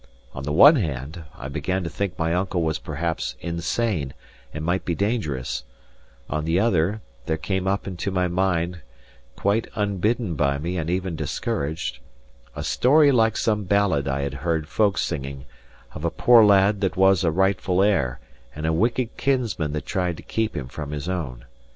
On the one hand, I began to think my uncle was perhaps insane and might be dangerous; on the other, there came up into my mind (quite unbidden by me and even discouraged) a story like some ballad I had heard folk singing, of a poor lad that was a rightful heir and a wicked kinsman that tried to keep him from his own.